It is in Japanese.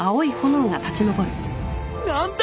何だ！？